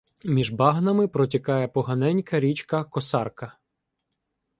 Між багнами протікає поганенька річка Косарка.